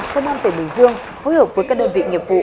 công an tỉnh bình dương phối hợp với các đơn vị nghiệp vụ